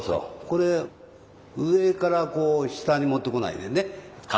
これ上からこう下に持ってこないでね。